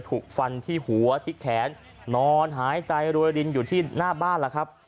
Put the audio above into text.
ถูกฟันที่หัวที่แขนนอนหายใจรวยรินอยู่ที่หน้าบ้านล่ะครับ